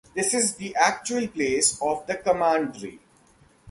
This is the actual place of the commandery.